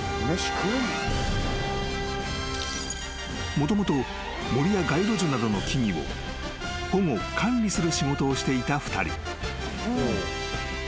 ［もともと森や街路樹などの木々を保護管理する仕事をしていた２人］